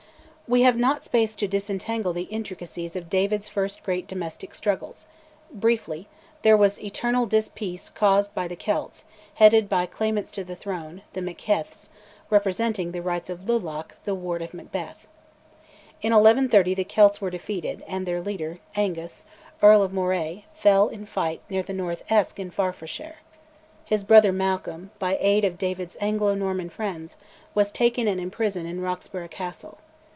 We have not space to disentangle the intricacies of David's first great domestic struggles; briefly, there was eternal dispeace caused by the Celts, headed by claimants to the throne, the MacHeths, representing the rights of Lulach, the ward of Macbeth. In 1130 the Celts were defeated, and their leader, Angus, Earl of Moray, fell in fight near the North Esk in Forfarshire. His brother, Malcolm, by aid of David's Anglo Norman friends, was taken and imprisoned in Roxburgh Castle.